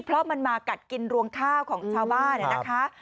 เพราะมันมากัดกินรวงข้าวของชาวบ้านนะคะ